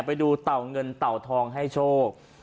ไปดูเต่าเงินเต่าทองให้โชค